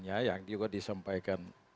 yang juga disampaikan